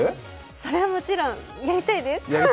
それはもちろんやりたいです！